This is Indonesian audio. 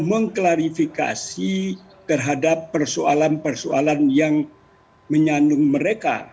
mengklarifikasi terhadap persoalan persoalan yang menyandung mereka